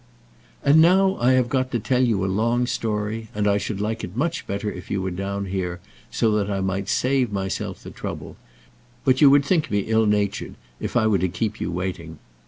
And now I have got to tell you a long story, and I should like it much better if you were down here, so that I might save myself the trouble; but you would think me ill natured if I were to keep you waiting.